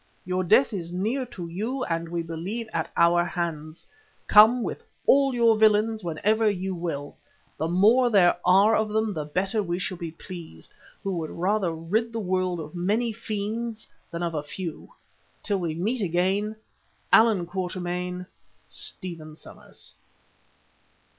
Your death is near to you and we believe at our hands. Come with all your villains whenever you will. The more there are of them the better we shall be pleased, who would rather rid the world of many fiends than of a few, "Till we meet again, Allan Quatermain, Stephen Somers."